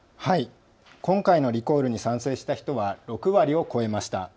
今回のリコールに賛成した人は６割を超えました。